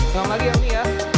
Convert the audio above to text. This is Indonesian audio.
selamat malam ini ya